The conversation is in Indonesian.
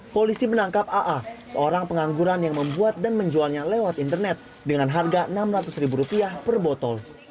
polisi menangkap aa seorang pengangguran yang membuat dan menjualnya lewat internet dengan harga rp enam ratus ribu rupiah per botol